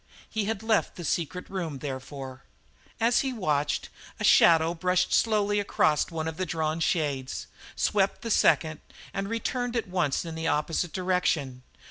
He had left the secret room, therefore. As he watched, a shadow brushed slowly across one of the drawn shades, swept the second, and returned at once in the opposite direction.